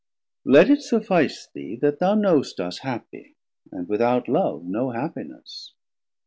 Let it suffice thee that thou know'st 620 Us happie, and without Love no happiness.